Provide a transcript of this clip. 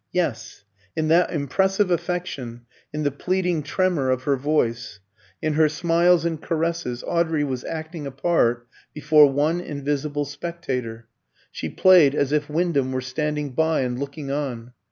Yes; in that impressive affection, in the pleading tremor of her voice, in her smiles and caresses, Audrey was acting a part before one invisible spectator. She played as if Wyndham were standing by and looking on.